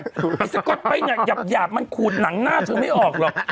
ไอ้สก๊อตไปเนี่ยหยาบมันขูดหนังหน้าเธอไม่ออกหรอก